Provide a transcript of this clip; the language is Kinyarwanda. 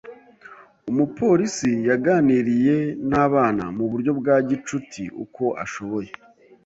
Umupolisi yaganiriye n’abana mu buryo bwa gicuti uko ashoboye.